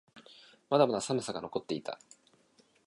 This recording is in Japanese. まだまだ寒さが残っていた。